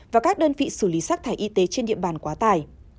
và các đơn vị xử lý rác thải y tế trên địa bàn quá tải